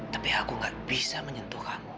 tapi aku gak bisa menyentuh kamu